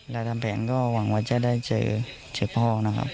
ได้ทำแผนก็หวังว่าจะได้เจอพ่อนะครับ